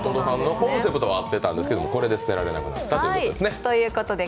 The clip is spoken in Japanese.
コンセプトは合っていたんですけど、これで捨てられなかったということですね。